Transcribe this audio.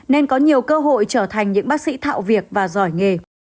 nên có nhiều cơ hội trở thành những bác sĩ thạo việc và giỏi nghề